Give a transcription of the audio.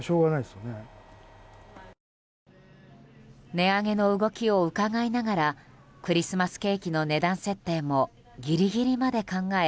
値上げの動きをうかがいながらクリスマスケーキの値段設定もギリギリまで考え